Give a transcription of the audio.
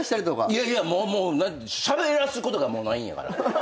いやいやもうしゃべらすことがないんやから。